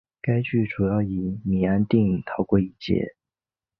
该剧主要以米安定逃过一劫。